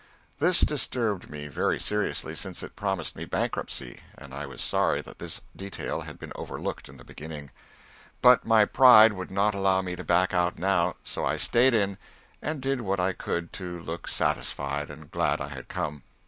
This disturbed me very seriously, since it promised me bankruptcy, and I was sorry that this detail had been overlooked in the beginning. But my pride would not allow me to back out now, so I stayed in, and did what I could to look satisfied and glad I had come.